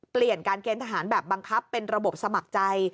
เปลี่ยนการเกณฑ์ทหารแบบบังคับเป็นระบบสมัครใจ